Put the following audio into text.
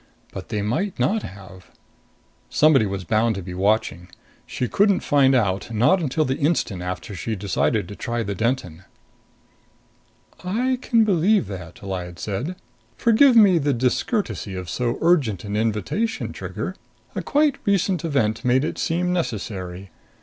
But they might not have. Somebody was bound to be watching. She couldn't find out not until the instant after she decided to try the Denton. "I can believe that," Lyad said. "Forgive me the discourtesy of so urgent an invitation, Trigger. A quite recent event made it seem necessary.